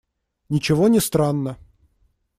Ничего не странно.